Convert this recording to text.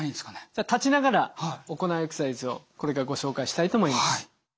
では立ちながら行うエクササイズをこれからご紹介したいと思います。